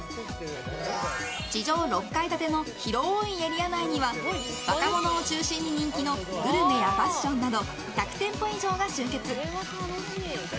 地上６階建ての広いエリア内には若者を中心に人気のグルメやファッションなど１００店舗以上が集結。